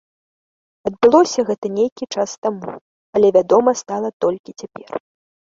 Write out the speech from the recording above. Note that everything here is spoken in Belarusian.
Адбылося гэта нейкі час таму, але вядома стала толькі цяпер.